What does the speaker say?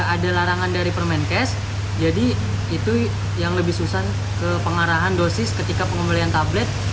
ada larangan dari permenkes jadi itu yang lebih susah ke pengarahan dosis ketika pengembalian tablet